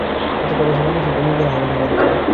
এতে প্রবাসী বাংলাদেশিদের বিনিয়োগের আহ্বান জানান তিনি।